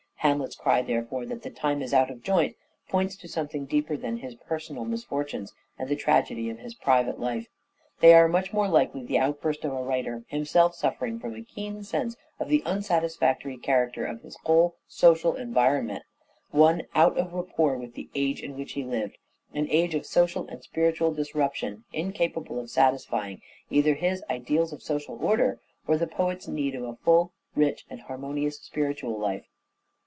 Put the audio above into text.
Hamlet's cry, therefore, that " the time is out of joint," points to something deeper than his personal misfortunes, and the tragedy of his private life. They are much more like the outburst of a writer, himself suffering from a keen sense of the unsatisfactory character of his whole social environment : one out of rapport with the age in which he lived ; an age of social and spiritual dis ruption incapable of satisfying either his ideals of social order or the poet's need of a full, rich and harmonious spiritual life.